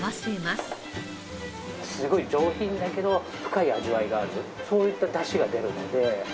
すごい上品だけど深い味わいがあるそういった出汁が出るので。